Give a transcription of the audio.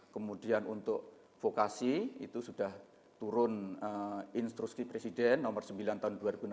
kemudian untuk vokasi itu sudah turun instruksi presiden nomor sembilan tahun dua ribu enam belas